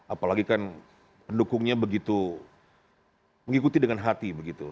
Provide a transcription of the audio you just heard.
apalagi kan pendukungnya begitu mengikuti dengan hati begitu